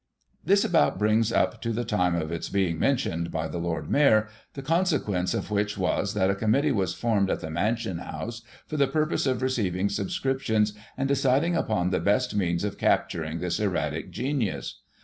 This about brings up to the time of its being mentioned by the Lord Mayor, the consequence of which was that a Committee was formed at the Mansion House for the purpose of receiving subscriptions and deciding upon the best means of capturing this erratic genius.